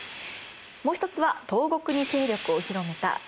もう一つは東国に勢力を広めた源氏です。